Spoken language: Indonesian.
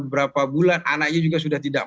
berapa bulan anaknya juga sudah tidak